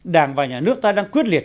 đảng và nhà nước ta đang quyết liệt